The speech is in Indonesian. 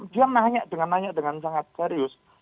dia nanya dengan sangat serius